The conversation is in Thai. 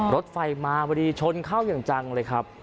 รถไฟมาพอดีชนเข้าอย่างจังเลยครับ